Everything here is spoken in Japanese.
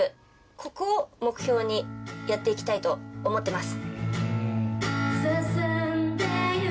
ここを目標にやって行きたいと思ってます。